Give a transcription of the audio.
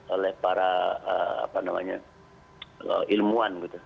oleh para ilmuwan